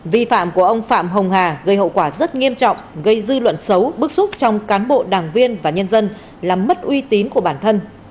vi phạm của ông phạm hồng hà gây hậu quả rất nghiêm trọng gây dư luận xấu bức xúc trong cán bộ đảng viên và nhân dân làm mất uy tín của bản thân